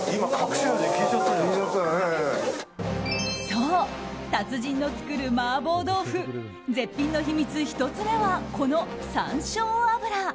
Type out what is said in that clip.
そう、達人の作る麻婆豆腐絶品の秘密１つ目はこの山椒油。